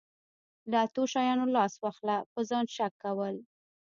له اتو شیانو لاس واخله په ځان شک کول.